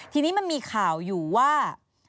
ทีนี้มันมีข่าวอยู่ว่า